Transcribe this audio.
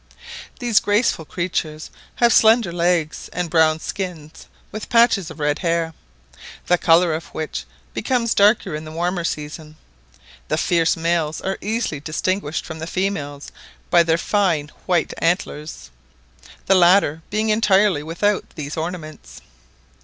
These graceful creatures have slender legs and brown skins with patches of red hair, the colour of which becomes darker in the warmer season. The fierce males are easily distinguished from the females by their fine white antlers, the latter being entirely without these ornaments.